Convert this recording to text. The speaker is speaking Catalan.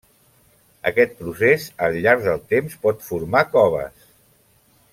Aquest procés al llarg del temps pot formar coves.